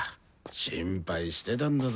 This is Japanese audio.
心配してたんだぞ。